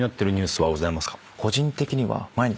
個人的には毎日。